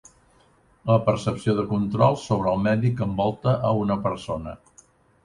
La percepció de control sobre el medi que envolta a una persona.